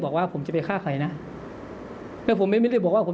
แต่ผมจะจัดการกุธหมายสามปีเนี้ยครับ